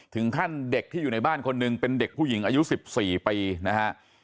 ถึงขั้นเด็กที่อยู่ในบ้านคนหนึ่งเป็นเด็กผู้หญิงอายุ๑๔ปีนะฮะ